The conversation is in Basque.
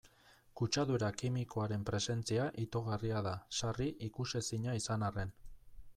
Kutsadura kimikoaren presentzia itogarria da, sarri ikusezina izan arren.